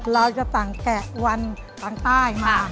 เราจะสั่งแกะวันต่างมา